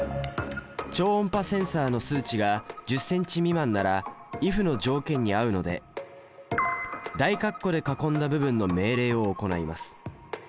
超音波センサの数値が１０ｃｍ未満なら「ｉｆ」の条件に合うので大括弧で囲んだ部分の命令を行います。